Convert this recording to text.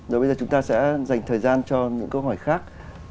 rồi bây giờ chúng ta sẽ dành thời gian cho những câu hỏi khác